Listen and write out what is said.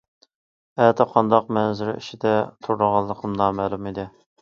ئەتە قانداق مەنزىرە ئىچىدە تۇرىدىغانلىقىم نامەلۇم ئىدى.